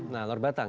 nah luar batang